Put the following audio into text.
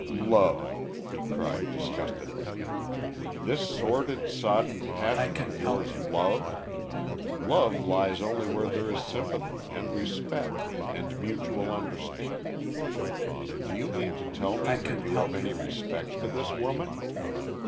"Love!" he cried, disgustedly. "This sordid, sodden passion of yours love! Love lives only where there is sympathy, and respect, and mutual understanding. Do you mean to tell me that you have any respect for this woman?